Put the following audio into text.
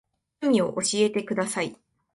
趣味を教えてください。